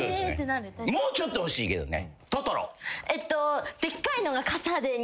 もうちょっと欲しいけどね。